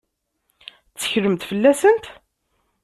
Tetteklemt fell-asent?